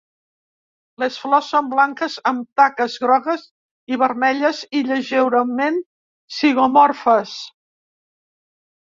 Les flors són blanques amb taques grogues i vermelles, i lleugerament zigomorfes.